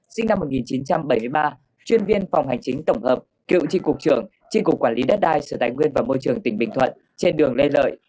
sinh năm một nghìn chín trăm bảy mươi ba chuyên viên phòng hành chính tổng hợp cựu tri cục trưởng tri cục quản lý đất đai sở tài nguyên và môi trường tỉnh bình thuận trên đường lê lợi